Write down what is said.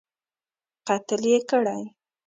قتل یې کړی.